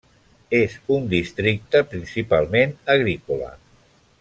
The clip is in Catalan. És un districte principalment agrícola.